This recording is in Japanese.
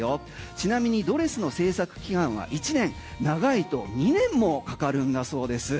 ちなみにドレスの制作期間は１年長いと２年もかかるんだそうです。